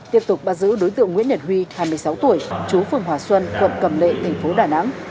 tiếp tục bắt giữ đối tượng nguyễn nhật huy hai mươi sáu tuổi chú phường hòa xuân quận cầm lệ thành phố đà nẵng